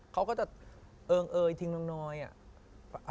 เขาก็จะเอิงเอยทิ้งน้อยอ่ะ